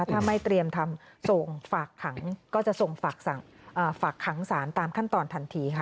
ถ้าไม่เตรียมทำส่งฝากขังก็จะส่งฝากขังสารตามขั้นตอนทันทีค่ะ